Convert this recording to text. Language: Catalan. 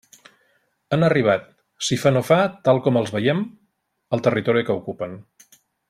Han arribat si fa no fa tal com els veiem al territori que ocupen.